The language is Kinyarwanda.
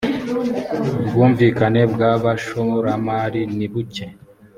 ubwumvikane bwa bashoramari nibuke.